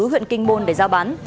huyện kinh môn để giao bán